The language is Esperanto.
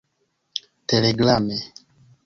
telegrame